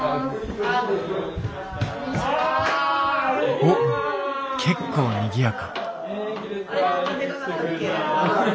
おっ結構にぎやか。